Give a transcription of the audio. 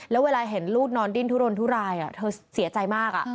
แล้วเวลาเห็นลูกนอนดิ้นทุรนทุรายเธอเสียใจมาก